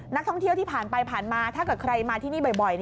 นักท่องเที่ยวที่ผ่านไปผ่านมาถ้าเกิดใครมาที่นี่บ่อย